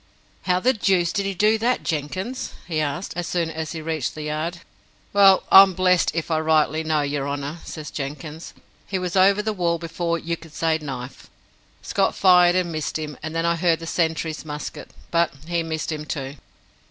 "How the deuce did he do it, Jenkins?" he asked, as soon as he reached the yard. "Well, I'm blessed if I rightly know, your honour," says Jenkins. "He was over the wall before you could say 'knife'. Scott fired and missed him, and then I heard the sentry's musket, but he missed him, too."